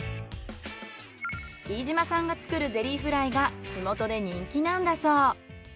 飯嶋さんが作るゼリーフライが地元で人気なんだそう。